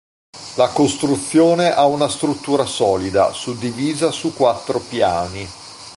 La costruzione ha una struttura solida, suddivisa su quattro piani.